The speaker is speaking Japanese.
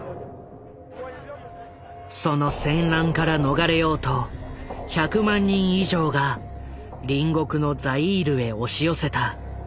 その戦乱から逃れようと１００万人以上が隣国のザイールへ押し寄せた。